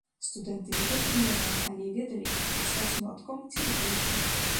Студэнты не толькі малявалі, але і ведалі, як працаваць малатком ці рыдлёўкай.